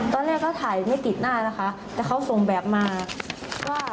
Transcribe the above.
ตอนแรกเขาถ่ายไม่ติดหน้านะคะแต่เขาส่งแบบมาว่า